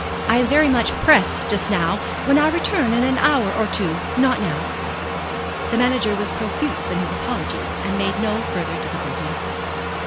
I am very much pressed just now. When I return in an hour or two, not now." The manager was profuse in his apologies, and made no further difficulty.